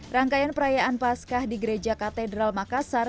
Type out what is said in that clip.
rangkaian perayaan pascah di gereja katedral makassar